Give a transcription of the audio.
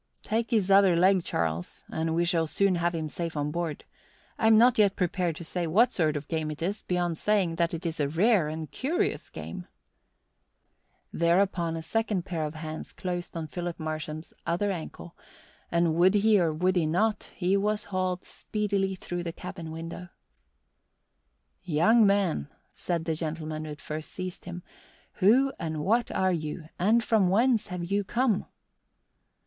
"Take his other leg, Charles, and we shall soon have him safe on board. I am not yet prepared to say what sort of game it is, beyond saying that it is a rare and curious game." Thereupon a second pair of hands closed on Philip Marsham's other ankle, and, would he or would he not, he was hauled speedily through the cabin window. "Young man," said the gentleman who had first seized him, "who and what are you, and from whence have you come?"